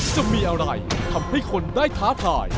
จะมีอะไรทำให้คนได้ท้าทาย